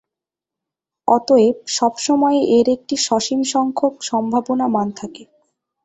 অতএব, সবসময়ই এর একটি সসীম সংখ্যক সম্ভাব্য মান থাকে।